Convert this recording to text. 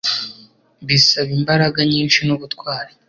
Bisaba imbaraga nyinshi nubutwari.